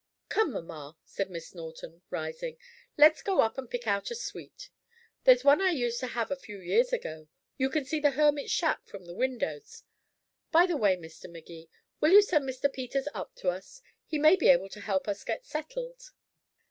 "Come, mamma," said Miss Norton, rising, "let's go up and pick out a suite. There's one I used to have a few years ago you can see the hermit's shack from the windows. By the way, Mr. Magee, will you send Mr. Peters up to us? He may be able to help us get settled."